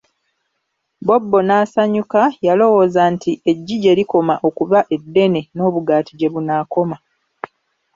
Bobbo n'asanyuka, yalowooza nti eggi gye likoma okuba eddene n'obugaati gye bunaakoma.